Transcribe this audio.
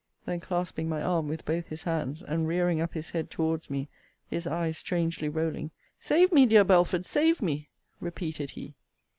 Then clasping my arm with both his hands, and rearing up his head towards me, his eyes strangely rolling, Save me! dear Belford, save me! repeated he.